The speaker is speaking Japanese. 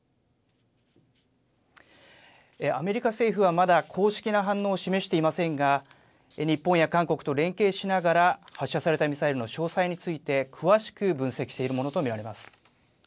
アメリカ政府はまだ、公式な反応を示していませんが、日本や韓国と連携しながら、発射されたミサイルの詳細について詳しく分析しているものと見られます。